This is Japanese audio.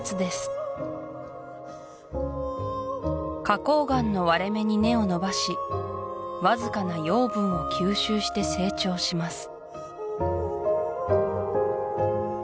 花崗岩の割れ目に根を伸ばしわずかな養分を吸収して成長します